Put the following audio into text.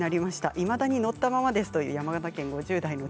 いまだに乗ったままですという茨城県の方です。